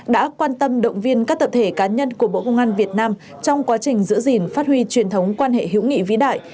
đã quan tâm động viên các tập thể cá nhân của bộ công an việt nam trong quá trình giữ gìn phát huy truyền thống quan hệ hữu nghị vĩ đại